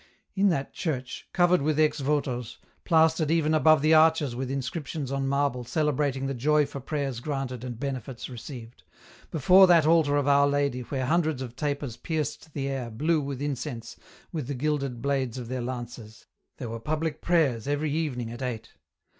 In that church, covered with ex votos, plastered even above the arches with inscriptions on marble celebrating the joy for prayers granted and benefits received, before that altar of Our Lady where hundreds of tapers pierced the air blue with incense with the gilded blades of their lances, there were public prayers every evening at eight.